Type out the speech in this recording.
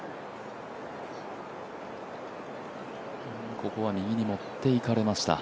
ここは右に持っていかれました。